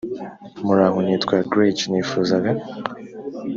Muraho nitwa Greg Nifuzaga